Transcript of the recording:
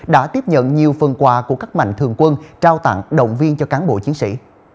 đã tiếp nhận nhiều phần quà của các mạnh thường quân trao tặng động viên cho cán bộ chiến sĩ